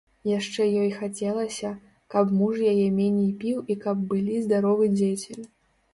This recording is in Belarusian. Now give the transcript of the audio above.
Яшчэ ёй хацелася, каб муж яе меней піў і каб былі здаровы дзеці.